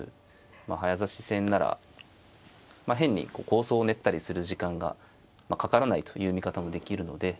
まあ早指し戦なら変に構想を練ったりする時間がかからないという見方もできるので。